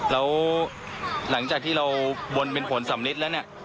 แล้วหลังจากที่เราบนเป็นผลสำลิดแล้วเนี่ย